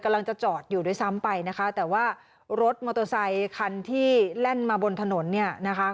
กำลังจะจอดอยู่ด้วยซ้ำไปนะคะแต่ว่ารถมอเตอร์ไซคันที่แล่นมาบนถนนเนี่ยนะคะ